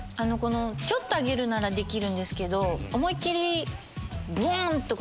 ちょっと上げるならできるんですけど思い切りブオン！って。